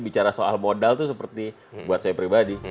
bicara soal modal itu seperti buat saya pribadi